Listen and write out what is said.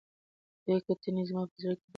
دې کتنې زما په زړه کې د امید نوې ډیوې بلې کړې.